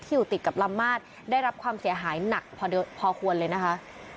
อยู่ติดกับลำมาดได้รับความเสียหายหนักพอควรเลยนะคะ